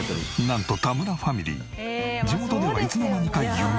なんと田村ファミリー地元ではいつの間にか有名人に。